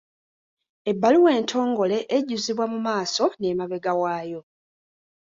Ebbaluwa entongole ejjuzibwa mu maaso n’emabega waayo.